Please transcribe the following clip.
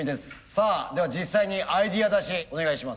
さあでは実際にアイデア出しお願いします。